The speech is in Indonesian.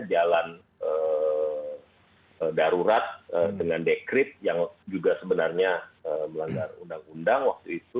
jalan darurat dengan dekret yang juga sebenarnya melanggar undang undang waktu itu